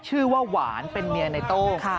ชื่อว่าหวานเป็นเมียในโต้ง